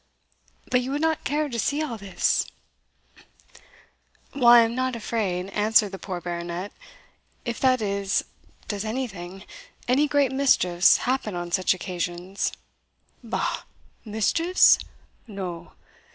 But you would not care to see all this?" Note F. Witchcraft. "Why, I am not afraid," answered the poor Baronet, "if that is does anything any great mischiefs, happen on such occasions?" "Bah! mischiefs? no!